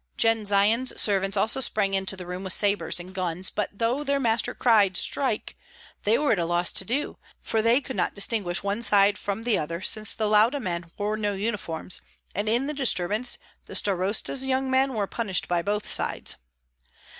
Jendzian's servants also sprang into the room with sabres and guns; but though their master cried, "Strike!" they were at a loss what to do, for they could not distinguish one side from the other, since the Lauda men wore no uniforms, and in the disturbance the starosta's young men were punished by both sides.